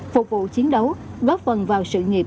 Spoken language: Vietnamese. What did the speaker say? phục vụ chiến đấu góp phần vào sự nghiệp